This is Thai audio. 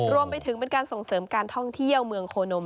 รวมไปถึงเป็นการส่งเสริมการท่องเที่ยวเมืองโคนม